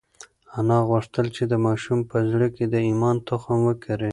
انا غوښتل چې د ماشوم په زړه کې د ایمان تخم وکري.